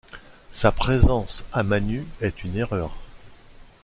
Sa présence à Manus est une erreur.